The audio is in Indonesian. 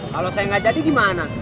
kalau saya nggak jadi gimana